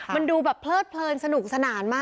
มันดูแบบเพลิดเพลินสนุกสนานมาก